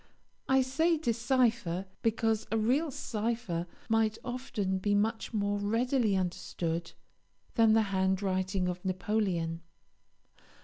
I say decipher, because a real cipher might often be much more readily understood than the handwriting of Napoleon.